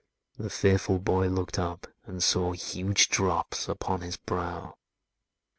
The fearful Boy looked up, and saw Huge drops upon his brow.